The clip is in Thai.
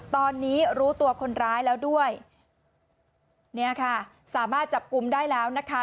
ตอนนี้รู้ตัวคนร้ายแล้วด้วยเนี่ยค่ะสามารถจับกลุ่มได้แล้วนะคะ